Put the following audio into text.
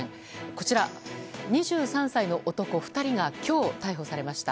こちら、２３歳の男２人が今日、逮捕されました。